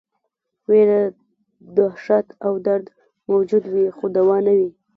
ویره، دهشت او درد موجود وي خو دوا نه وي.